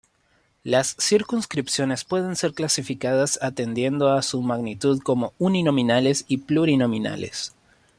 Las circunscripciones pueden ser clasificadas, atendiendo a su magnitud, como uninominales y plurinominales.